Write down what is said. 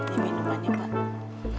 ini minumannya pak